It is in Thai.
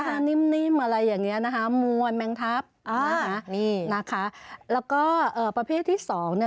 หนอนนี่สวยงามแล้วเหรอคะ